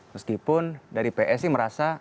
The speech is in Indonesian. meskipun dari psi merasa